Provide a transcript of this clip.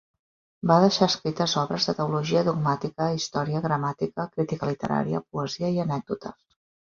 Va deixar escrites obres de teologia dogmàtica, història, gramàtica, crítica literària, poesia i anècdotes.